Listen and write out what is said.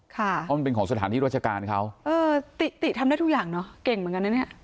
เพราะมันเป็นของสถานที่ราชการเขาเออติติทำได้ทุกอย่างเนอะเก่งเหมือนกันนะเนี่ย